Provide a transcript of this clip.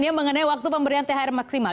dia mengenai waktu pemberian thr maksimal